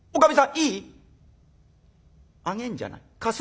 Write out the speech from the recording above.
「いい？あげんじゃない貸すのよ。